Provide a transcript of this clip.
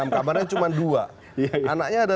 enam kamarnya cuma dua anaknya ada